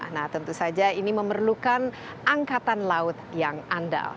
nah tentu saja ini memerlukan angkatan laut yang andal